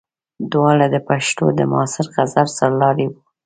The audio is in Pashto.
دواړه د پښتو د معاصر غزل سرلاري وو.